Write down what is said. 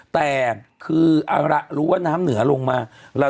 แต่คือเอาละรู้ว่าน้ำเหนือลงมา